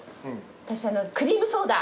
私クリームソーダ。